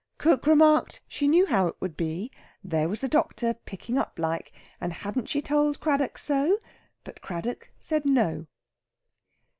Cook remarked she knew how it would be there was the doctor picking up like and hadn't she told Craddock so? But Craddock said no!